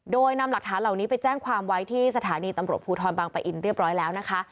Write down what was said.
โดยนำหลักฐานเหล่านี้ไปแจ้งความไว้ที่สถานีตำรวจภูทรบางปะอินเรียบร้อยแล้วนะคะ